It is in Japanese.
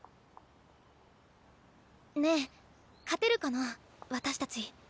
ねえ勝てるかな私たち。